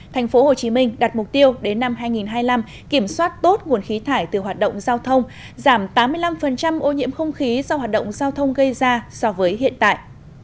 thành phố hồ chí minh đặt mục tiêu đến năm hai nghìn hai mươi năm kiểm soát tốt nguồn khí thải từ hoạt động giao thông giảm tám mươi năm ô nhiễm không khí do hoạt động giao thông gây ra so với hiện tại